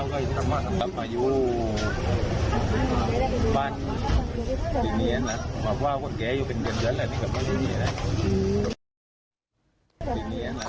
เคยเสียดยาเคยเสียดยายิ้วไหมเมื่อก่อน